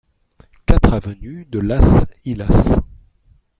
quatre avenue de Las Illas